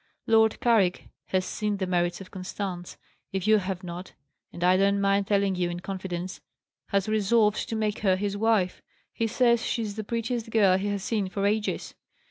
"Lord Carrick has seen the merits of Constance, if you have not; and I don't mind telling it you in confidence has resolved to make her his wife. He says she's the prettiest girl he has seen for ages."